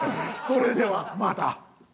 それではまた。